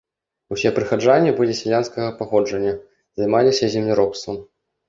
Усе прыхаджане былі сялянскага паходжання, займаліся земляробствам.